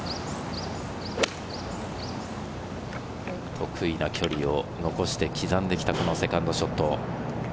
得意な距離を残して刻んできたセカンドショット。